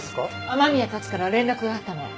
雨宮たちから連絡があったの。